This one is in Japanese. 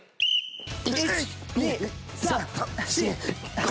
１２３４５！